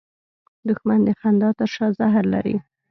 دښمن د خندا تر شا زهر لري